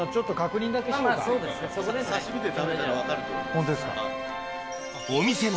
ホントですか。